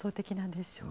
ですよね